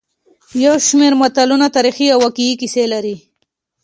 یو شمېر متلونه تاریخي او واقعي کیسې لري